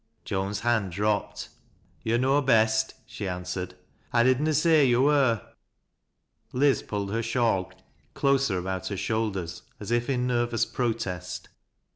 Joan's hand dropped. "To' know best," she answered. "I did na say yo wur." Liz pulled her shawl closer about her shoulders, as if in nervous protest.